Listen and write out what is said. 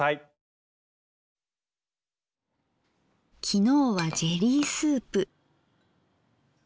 昨日はジェリースープ。